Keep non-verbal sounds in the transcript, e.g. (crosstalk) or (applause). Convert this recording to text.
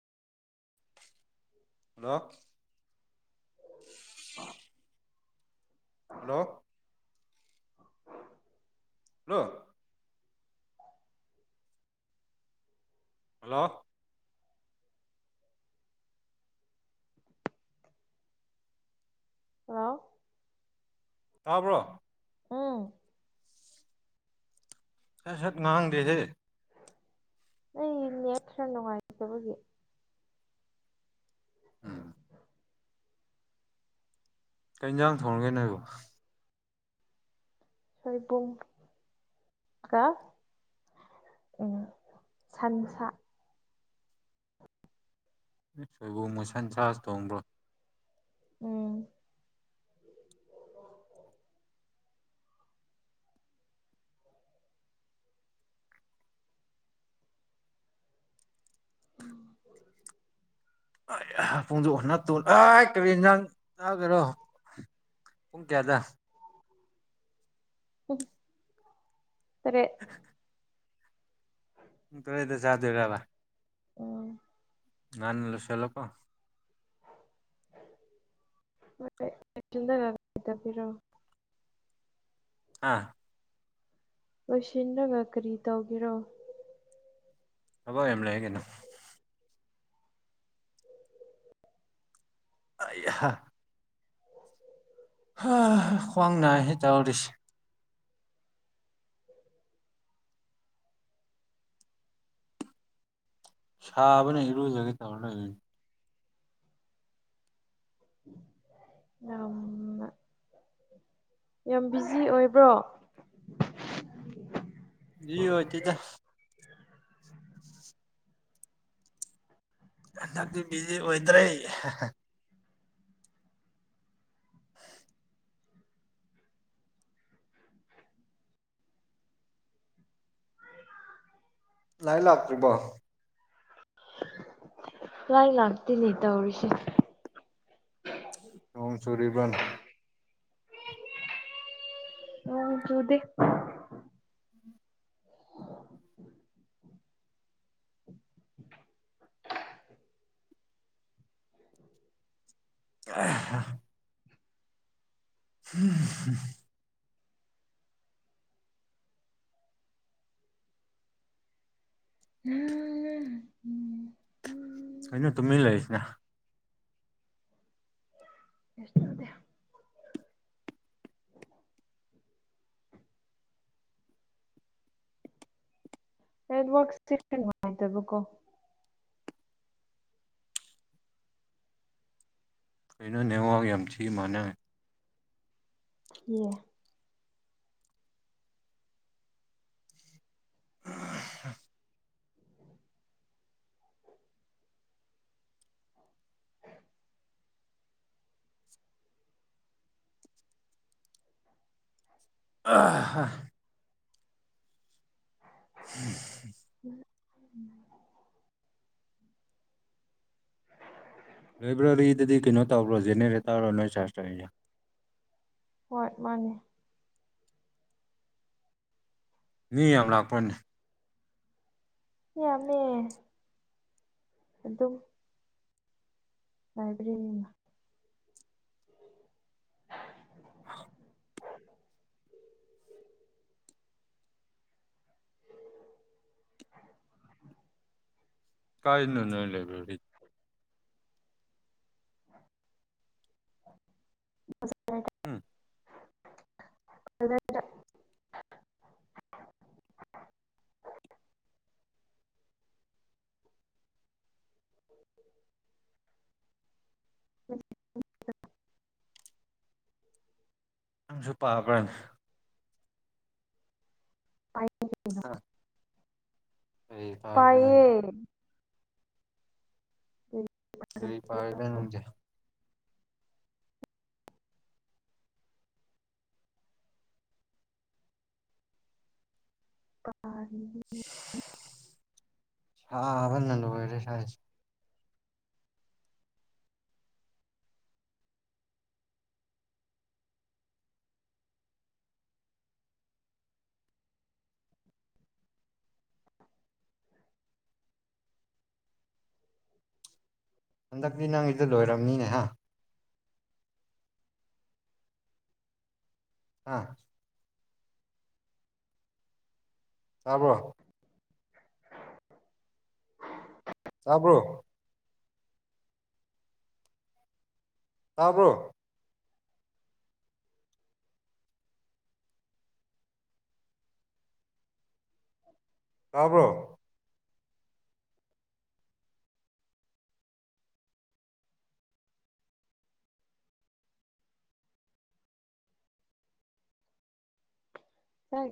hello ꯑ hello hello hello hello ꯇꯥꯕ꯭ꯔꯣ ꯎꯝ ꯁꯠ ꯁꯠ ꯉꯥꯡꯗꯦꯍꯦ ꯑꯩ ꯅꯦꯠ ꯈꯔꯥ ꯅꯨꯡꯉꯥꯏꯇꯕꯒꯤ ꯎꯝ ꯀꯩ ꯏꯟꯖꯥꯡ ꯊꯣꯡꯅꯒꯦ ꯅꯣꯏꯕꯣ ꯁꯣꯏꯕꯨꯝꯒ ꯎꯝ ꯁꯟꯁꯥ ꯁꯣꯏꯕꯨꯝꯒ ꯁꯟꯁꯒꯥꯁꯨ ꯊꯣꯡꯕ꯭ꯔꯣ ꯎꯝ ꯎꯝ (unintelligible) ꯀꯔꯤ ꯏꯟꯖꯥꯡ ꯆꯥꯈꯔꯣ ꯄꯨꯡ ꯀꯌꯥꯗ ꯄꯨꯡ ꯇꯥꯔꯦꯠ (inaudible) ꯎꯝ ꯎꯝ ꯇꯣꯏꯗ ꯆꯥꯗꯣꯏ꯭ꯔꯔꯕꯕ ꯑꯣꯝ ꯉꯟꯅꯥ ꯂꯣꯏꯁꯜꯂꯨꯀꯣ (unintelligible) ꯍꯥ ꯂꯣꯏꯁꯤꯟꯂꯒꯥ ꯀꯔꯤ ꯇꯧꯒꯦꯔꯣ ꯊꯕꯛ ꯌꯥꯝ ꯂꯩ ꯀꯩꯅꯣ ꯑꯩꯍꯥ ꯈ꯭ꯋꯥꯡ ꯅꯥꯏꯍꯦ ꯇꯧꯔꯔꯤꯁꯦ ꯁꯥꯕꯅ ꯏꯔꯣꯏꯖꯒꯦ ꯇꯧꯔ ꯂꯩꯔꯨꯏ ꯌꯥꯝ ꯌꯥꯝ ꯕꯤꯖꯤ ꯑꯣꯏꯕ꯭ꯔꯣ ꯑꯣꯏꯗꯦꯗꯥ ꯍꯟꯇꯛꯇꯤ ꯕꯤꯖꯤ ꯑꯣꯏꯗ꯭ꯔꯦ ꯂꯥꯏ ꯂꯥꯛꯇꯔꯤꯕꯣ ꯂꯥꯏ ꯂꯥꯛꯇꯦꯅꯦ ꯇꯧꯔꯤꯁꯦ ꯅꯣꯡꯆꯨꯔꯤꯕꯥꯔꯥ (unintelligible) ꯅꯣꯡ ꯆꯨꯗꯦ (unintelligible) ꯍꯨꯝ (unintelligible) ꯎꯝ ꯎꯝ ꯀꯩꯅꯣ ꯇꯨꯃꯤꯟ ꯂꯩꯔꯤꯁꯤꯅ (unintelligible) ꯅꯦꯋꯥꯛꯁꯦ ꯈꯔꯥ ꯅꯨꯉꯥꯏꯇꯥꯕꯀꯣ ꯀꯩꯅꯣ ꯅꯦꯋꯥꯛ ꯌꯥꯝ ꯊꯤ ꯃꯥꯟꯅꯦ ꯌꯦ ꯎꯝ ꯑꯥ (unintelligible) (unintelligible) ꯂꯥꯏꯕ꯭ꯔꯥꯔꯤꯗꯗꯤ ꯀꯩꯅꯣ ꯇꯧꯕꯔꯣ ꯖꯦꯅꯦꯔꯦꯇꯥꯔ ꯅꯣꯏ ꯆꯥꯔꯁ ꯇꯧꯔꯤꯁꯦ ꯍꯣꯏ ꯃꯥꯅꯦ ꯃꯤ ꯌꯥꯝ ꯂꯥꯛꯄꯔꯥꯅꯦ ꯃꯤꯌꯥꯝꯃꯦ ꯑꯗꯨꯝ ꯍꯥꯏꯗꯔꯤ ꯀꯥꯏꯗꯅꯣ ꯅꯣꯏ ꯂꯩꯕꯥꯗꯨꯗꯤ (unintelligible) ꯎꯝ ꯖꯦꯅꯦꯇꯥꯔ (unintelligible) (unintelligible) (unintelligible) ꯅꯪꯁꯨ ꯄꯥꯕ꯭ꯔꯥ ꯄꯥꯏꯌꯦ (unintelligible) ꯀꯩ ꯄꯥꯔꯤꯕꯥ ꯅꯪꯗꯤ ꯄꯥꯏꯌꯦ ꯀꯥꯔꯤ ꯄꯥꯔꯤꯕꯔꯥ ꯅꯪꯗꯤ ꯄꯥꯗꯤꯌꯦ ꯁꯥꯕꯅ ꯂꯣꯏꯔꯦ ꯏꯁꯥꯁꯦ ꯍꯟꯗꯛꯇꯤ ꯅꯪꯒꯤꯗꯣ ꯂꯣꯏꯔꯕꯅꯤꯅꯦ ꯍꯥ ꯇꯥꯕꯥꯔꯣ (unintelligible) ꯇꯥꯕ꯭ꯥꯔꯣ ꯇꯥꯕ꯭ꯔꯣ ꯇꯥꯕ꯭ꯔꯣ (inaudible) (inaudible) (inaudible) (unintelligible)